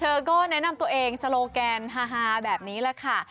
เธอก็แนะนำตัวเองสโลแกนฮาแบบนี้แหละค่ะ